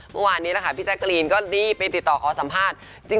เมื่อวานนี้นะคะพี่แจ๊กกะรีนก็รีบไปติดต่อขอสัมภาษณ์